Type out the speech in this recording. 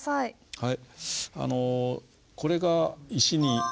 はい。